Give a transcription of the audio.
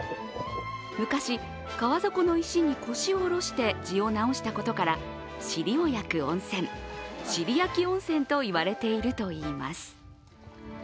昔、川底の石に腰をおろしてじを治したことから尻を焼く温泉、尻焼温泉と言われているといいます。